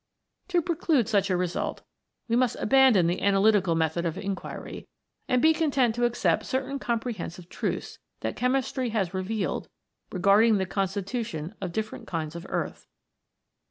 To preclude such a result, we must abandon the ana lytical method of inquiry, and be content to accept certain comprehensive truths that chemistry has revealed regarding the constitution of different kinds of earth.